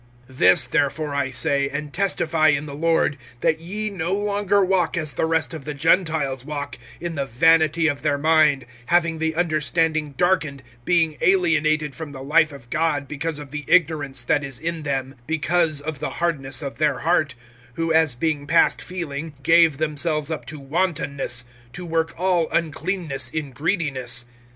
(17)This therefore I say, and testify in the Lord, that ye no longer walk as the rest of the Gentiles walk[4:17], in the vanity of their mind, (18)having the understanding darkened, being alienated from the life of God because of the ignorance that is in then, because of the hardness of their heart; (19)who, as being past feeling, gave themselves up to wantonness, to work all uncleanness in greediness[4:19].